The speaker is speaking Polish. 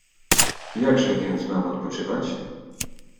"Jakże więc mam odpoczywać?"